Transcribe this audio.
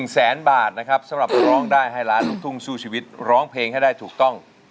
แสนบาทนะครับสำหรับร้องได้ให้ล้านลูกทุ่งสู้ชีวิตร้องเพลงให้ได้ถูกต้อง